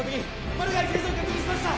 マルガイ生存確認しました！